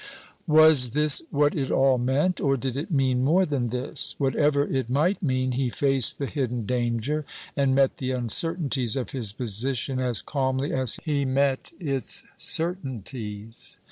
Was this what it all meant? Or did it mean more than this? Whatever it might mean, he faced the hidden danger, and met the uncertainties of his position as calmly as he met its certainties.